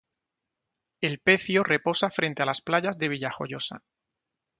El pecio reposa frente a las playas de Villajoyosa.